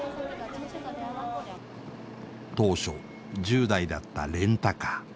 当初１０台だったレンタカー。